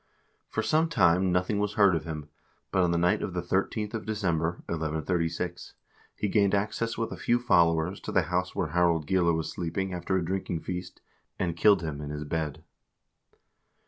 For some time noth ing was heard of him, but on the night of the 13th of December, 1136, he gained access with a few followers to the house where Harald Gille was sleeping after a drinking feast, and killed him in his bed.